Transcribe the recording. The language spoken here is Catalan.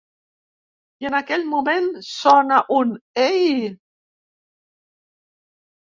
I en aquell moment sona un "Ei"!